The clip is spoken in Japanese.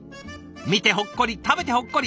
見てほっこり食べてほっこり。